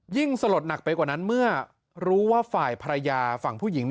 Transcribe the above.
สลดหนักไปกว่านั้นเมื่อรู้ว่าฝ่ายภรรยาฝั่งผู้หญิง